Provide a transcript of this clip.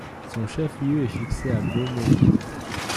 Son chef-lieu est fixé à Beaumesnil.